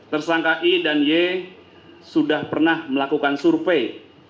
tersangka i dan y sudah pernah melakukan survei